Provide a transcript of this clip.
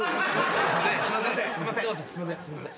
すいません。